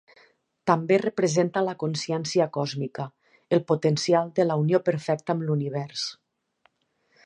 També representa la consciència còsmica, el potencial de la unió perfecta amb l'univers.